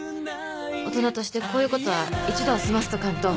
大人としてこういうことは１度は済ませとかんと。